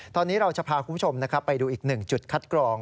ตอนนี้เราจะพาคุณผู้ชมไปดูอีกหนึ่งจุดคัดกรอง